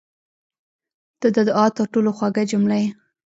• ته د دعا تر ټولو خوږه جمله یې.